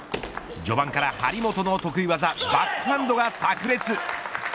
序盤から張本の得意技バックハンドがさく裂。